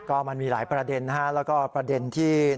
ก็มันมีหลายประเด็นนะฮะแล้วก็ประเด็นที่